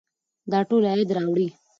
دا ټول عاید راوړي.